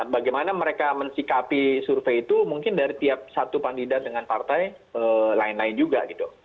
bagaimana mereka mensikapi survei itu mungkin dari tiap satu kandidat dengan partai lain lain juga gitu